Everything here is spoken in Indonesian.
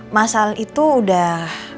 mas al itu udah